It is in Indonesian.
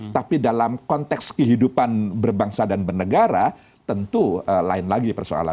tapi dalam konteks kehidupan berbangsa dan bernegara tentu lain lagi persoalan